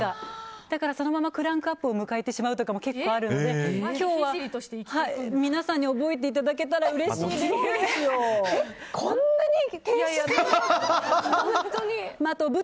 だから、そのままクランクアップを迎えてしまうことも結構あるので今日は皆さんに覚えていただけたらこんなに低姿勢。